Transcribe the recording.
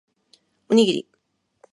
おにぎり